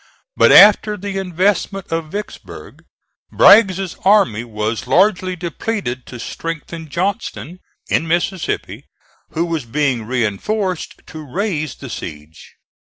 But after the investment of Vicksburg Bragg's army was largely depleted to strengthen Johnston, in Mississippi, who was being reinforced to raise the siege.